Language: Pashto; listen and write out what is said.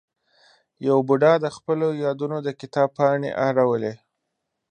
یوه بوډا د خپلو یادونو د کتاب پاڼې اړولې.